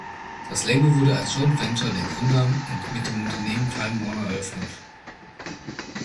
Das Label wurde als Joint Venture der Gründer mit dem Unternehmen Time Warner eröffnet.